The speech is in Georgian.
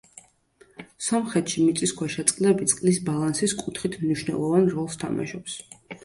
სომხეთში მიწისქვეშა წყლები წყლის ბალანსის კუთხით მნიშვნელოვან როლს თამაშობს.